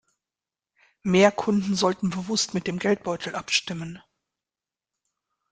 Mehr Kunden sollten bewusst mit dem Geldbeutel abstimmen.